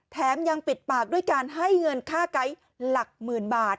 แถมยังปิดปากด้วยการให้เงินค่าไกด์หลักหมื่นบาท